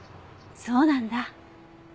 そうなんだ。